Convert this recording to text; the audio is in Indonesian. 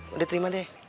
udah terima deh